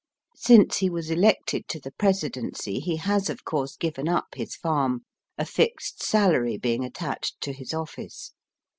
Since he was elected to the Presidency he has, of course, given up his farm, a fixed salary being attached to his office.